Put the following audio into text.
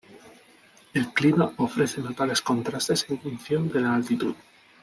El clima ofrece notables contrastes en función de la altitud.